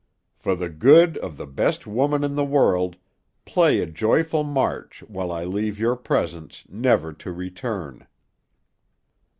For the good of the best woman in the world, play a joyful march while I leave your presence, never to return."